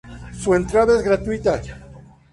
Su entrada es gratuita.